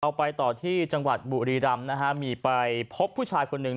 ไปต่อที่จังหวัดบุรีรำนะฮะมีไปพบผู้ชายคนหนึ่ง